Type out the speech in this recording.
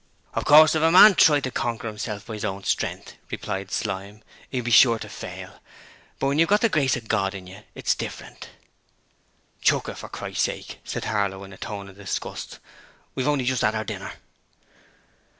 'Of course if a man tried to conquer hisself by his own strength,' replied Slyme, ''e would be sure to fail, but when you've got the Grace of God in you it's different.' 'Chuck it, fer Christ's sake!' said Harlow in a tone of disgust. 'We've only just 'ad our dinner!'